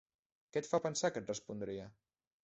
Què et fa pensar que et respondria?